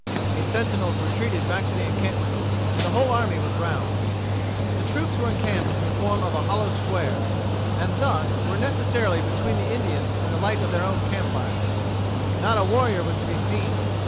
The sentinels retreated back to the encampment, and the whole army was roused. The troops were encamped in the form of a hollow square, and thus were necessarily between the Indians and the light of their own camp fires. Not a warrior was to be seen.